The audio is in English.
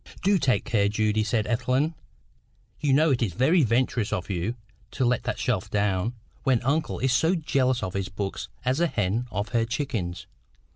"Do take care, Judy," said Ethelwyn. "You know it is very venturous of you to let that shelf down, when uncle is as jealous of his books as a hen of her chickens.